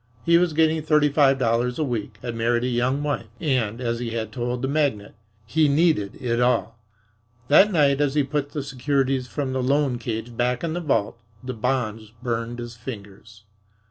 He was getting thirty five dollars a week, had married a young wife, and, as he had told the magnate, he "needed it all." That night as he put the securities from the "loan cage" back in the vault the bonds burned his fingers.